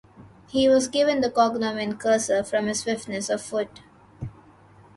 He was given the cognomen Cursor from his swiftness of foot.